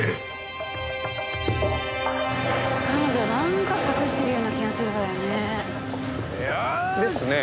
彼女なんか隠してるような気がするのよね。ですね。